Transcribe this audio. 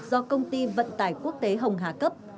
do công ty vận tải quốc tế hồng hà cấp